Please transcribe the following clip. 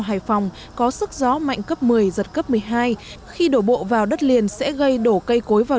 hải phòng có sức gió mạnh cấp một mươi giật cấp một mươi hai khi đổ bộ vào đất liền sẽ gây đổ cây cối vào